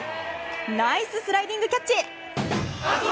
ナイススライディングキャッチ！